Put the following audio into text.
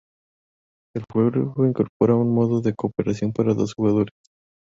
El juego incorpora un modo de cooperación para dos jugadores.